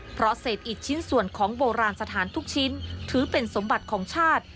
เพราะเศษอิดชิ้นส่วนของโบราณสถานทุกชิ้นถือเป็นสมบัติของชาติ